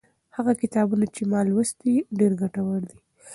هغه کتابونه چې ما لوستي، ډېر ګټور دي.